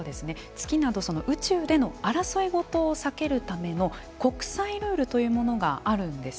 月など宇宙での争い事を避けるための国際ルールというものがあるんです。